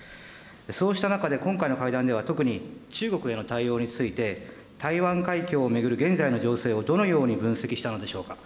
そうした中で、今回の会談では、特に中国への対応について、台湾海峡を巡る現在の情勢をどのように分析したのでしょうか。